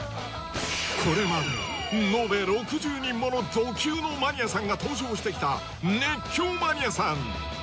これまでのべ６０人ものド級のマニアさんが登場してきた「熱狂マニアさん！」